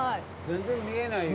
全然見えないよ。